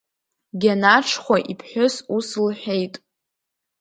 Гьанаҽхәа иԥҳәыс ус лҳәеит…